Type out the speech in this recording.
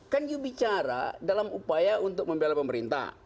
kan you bicara dalam upaya untuk membela pemerintah